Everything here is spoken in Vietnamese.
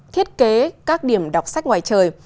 thiết kế các điểm đọc sách ngoài trời